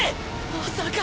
まさか。